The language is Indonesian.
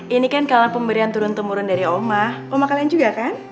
ini kan kalau pemberian turun temurun dari oma oma kalian juga kan